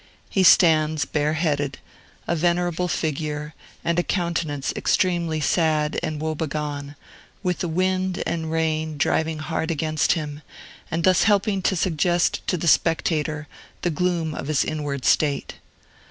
He stands bareheaded, a venerable figure, and a countenance extremely sad and woebegone, with the wind and rain driving hard against him, and thus helping to suggest to the spectator the gloom of his inward state.